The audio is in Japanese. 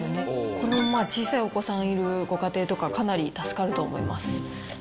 これもまあ、小さいお子さんいるご家庭とか、かなり助かると思います。